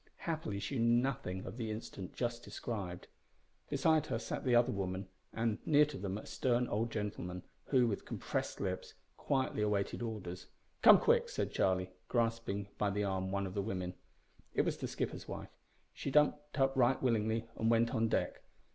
Happily she knew nothing of the incident just described. Beside her sat the other women, and, near to them, a stern old gentleman, who, with compressed lips, quietly awaited orders. "Come, quick!" said Charlie, grasping by the arm one of the women. It was the skipper's wife. She jumped up right willingly and went on deck.